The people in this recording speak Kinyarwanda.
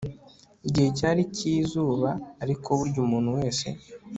Igihe cyari cyizuba ariko burya umuntu wese